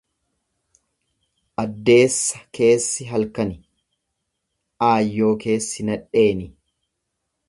Addeessa keessi halkani, aayyoo keessi nadheeni.